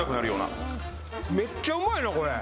めっちゃうまいなこれ。